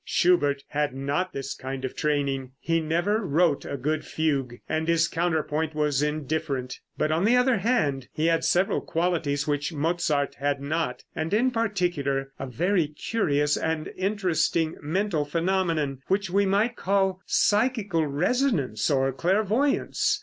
Schubert had not this kind of training. He never wrote a good fugue, and his counterpoint was indifferent; but on the other hand he had several qualities which Mozart had not, and in particular a very curious and interesting mental phenomenon, which we might call psychical resonance or clairvoyance.